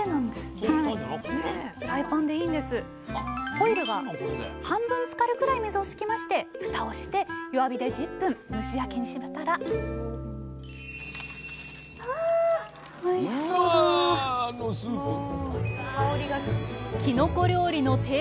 ホイルが半分つかるくらい水を敷きましてふたをして弱火で１０分蒸し焼きにしましたらきのこ料理の定番！